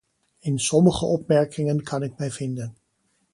In sommige opmerkingen kan ik mij vinden.